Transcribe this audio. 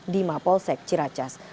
di mapolsek ciracas